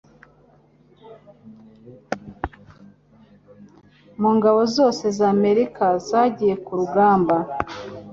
mu ngabo zose z'Amerika zagiye ku rugamba